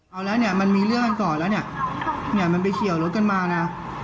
เอาแล้วมันมีเรื่องก่อนแล้วมันไปเขี่ยวรถกันมานะ